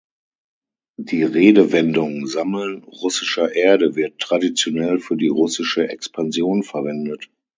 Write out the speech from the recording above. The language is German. Die Redewendung „Sammeln russischer Erde“ wird traditionell für die russische Expansion verwendet.